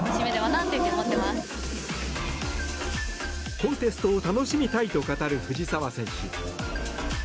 コンテストを楽しみたいと語る藤澤選手。